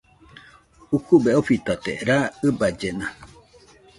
Ukube ofitate raa ɨballena